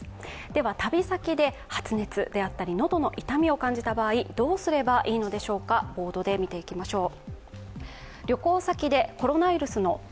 では、旅先で発熱であったり喉の痛みを感じた場合、どうすればいいのでしょうか、ボードで見ていきましょう。